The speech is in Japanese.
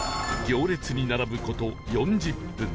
行列に並ぶ事４０分